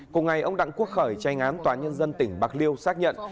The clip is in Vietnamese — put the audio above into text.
cùng ngày ông đặng quốc khởi tranh án tòa nhân dân tỉnh bạc liêu xác nhận